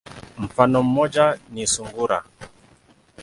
Mfano moja ni sungura.